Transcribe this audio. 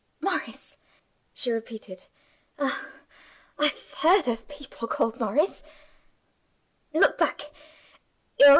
'" "Morris?" she repeated. "Ah, I've heard of people called 'Morris.' Look back!